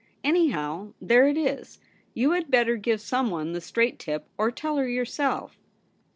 Anyhow, there it is. You had better give someone the straight tip, or tell her yourself.'